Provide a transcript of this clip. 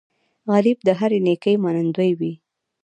غریب د هرې نیکۍ منندوی وي